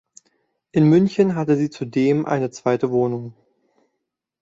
In München hatte sie zudem eine zweite Wohnung.